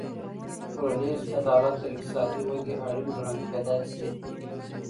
ټولنیز عدالت تر اقتصادي ودي اړین ګڼل کېدای سي.